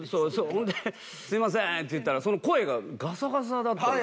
ほんですいませんって言ったらその声がガサガサだったんですよ。